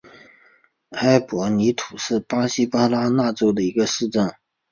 坎普博尼图是巴西巴拉那州的一个市镇。